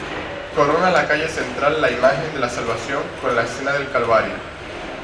Corona la calle central la imagen de la Salvación con la escena del Calvario.